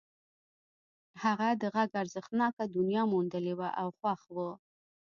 هغه د غږ ارزښتناکه دنيا موندلې وه او خوښ و.